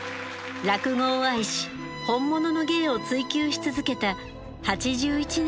落語を愛し本物の芸を追求し続けた８１年の生涯でした。